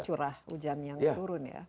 bukan karena curah hujan yang turun ya